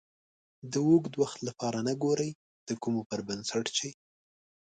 د اوږد وخت لپاره نه ګورئ د کومو پر بنسټ چې